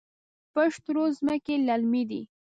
پشت رود ځمکې للمي دي؟